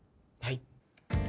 はい。